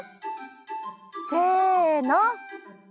せの！